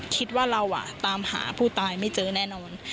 คิดว่าเราตามหาผู้ตายไม่เจอแน่นอน